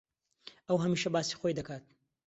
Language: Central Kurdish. ئەو ھەمیشە باسی خۆی دەکات.